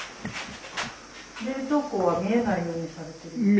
冷蔵庫は見えないようにされてるんですか？